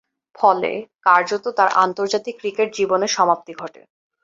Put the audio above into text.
ফলে, কার্যতঃ তার আন্তর্জাতিক ক্রিকেট জীবনের সমাপ্তি ঘটে।